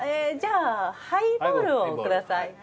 じゃあハイボールをください。